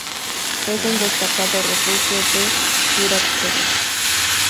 Es un destacado refugio de quirópteros.